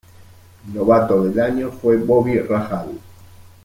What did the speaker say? Novato del Año fue Bobby Rahal.